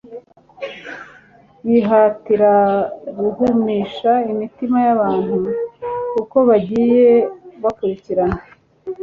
Yihatira guhumisha imitima y'abantu uko bagiye bakurikirana